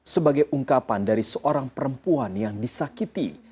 sebagai ungkapan dari seorang perempuan yang disakiti